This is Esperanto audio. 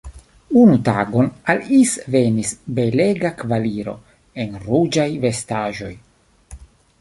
Unu tagon al Is venis belega kavaliro en ruĝaj vestaĵoj.